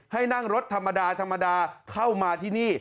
ให้นั่งรถธรรมดาธรรมดาเข้ามาที่นี่